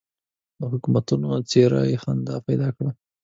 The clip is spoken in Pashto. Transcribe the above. د حکومتونو څېره یې نه پیدا کړه.